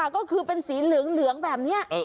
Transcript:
ก็คือเป็นสีเหลืองแบบนี้